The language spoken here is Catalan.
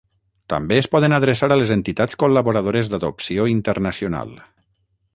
També es poden adreçar a les Entitats Col·laboradores d'Adopció Internacional.